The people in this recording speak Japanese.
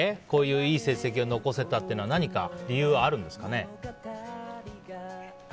こういういい成績を残せたというのは何か理由はあるんですかね？